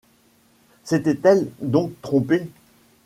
S’était-elle donc trompée?